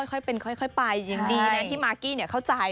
ค่อยเป็นค่อยไปอย่างดีนะที่มากกี้เข้าใจ